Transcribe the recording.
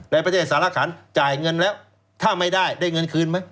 ในประเทศสารขันจ่ายเงินแล้วถ้าไม่ได้ได้เงินคืนไหม